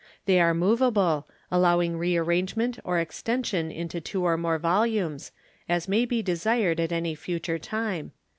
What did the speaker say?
They are movable, allowing rearrangement or extension into two or more volumes, as may be desired at any future time.